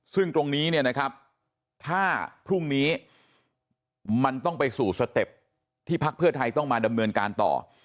ซึ่งตรงนี้เนี่ยนะครับถ้าพรุ่งนี้มันต้องไปสู่สเต็ปที่พักเพื่อไทยต้องมาดำเนินการต่อ